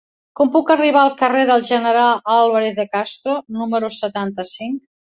Com puc arribar al carrer del General Álvarez de Castro número setanta-cinc?